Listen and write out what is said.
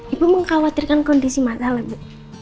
ibu mengkhawatirkan kondisi masalah bu